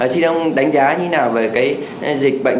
xin ông đánh giá như thế nào về cái dịch bệnh